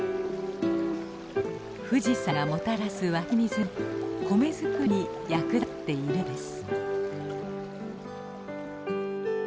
富士山がもたらす湧き水が米作りに役立っているのです。